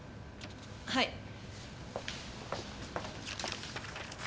はい。